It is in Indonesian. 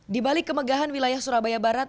di balik kemegahan wilayah surabaya barat